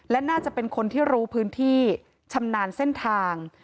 และน่าจะเป็นคนที่รู้พื้นที่ชำนาญเส้นทาง